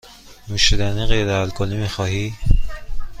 نوشیدنی غیر الکلی می خواهی؟